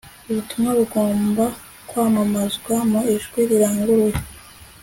ubutumwa bugomba kwamamazwa mu ijwi riranguruye